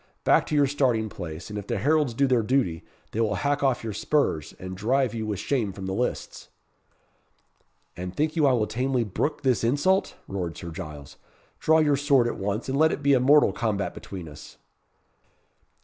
Back to your starting place, and if the heralds do their duty, they will hack off your spurs, and drive you with shame from the lists." "And think you I will tamely brook this insult?" roared Sir Giles; "draw your sword at once, and let it be a mortal combat between us."